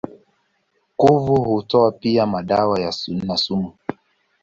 Kuvu hutoa pia madawa na sumu.